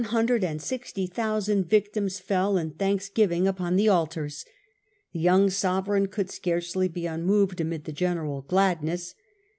73 Caligula, hundred and sixty thousand victims fell in thanksgiving upon the altars. The young sovereign could scarcely be unmoved amid the general gladness.